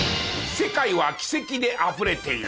世界は奇跡であふれている。